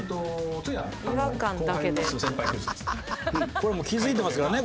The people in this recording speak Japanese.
これもう気付いてますからね